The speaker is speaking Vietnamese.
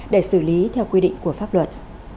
để xử lý theo quy định của pháp luật